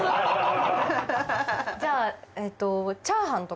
じゃあえっと。